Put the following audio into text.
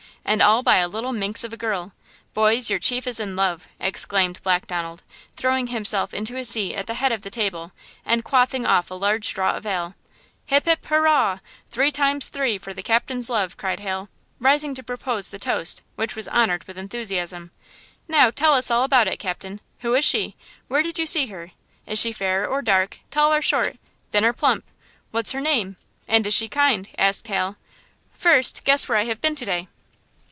And all by a little minx of a girl! Boys, your chief is in love!" exclaimed Black Donald, throwing himself into his seat at the head of the table, and quaffing off a large draught of ale. "Hip! hip! hurraw! three times three for the captain's love!" cried Hal, rising to propose the toast, which was honored with enthusiasm. "Now tell us all about it, captain. Who is she? Where did you see her? Is she fair or dark; tall or short; thin or plump; what's her name, and is she kind?" asked Hal, "First, guess where I have been to day?"